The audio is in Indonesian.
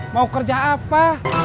mau kerja apa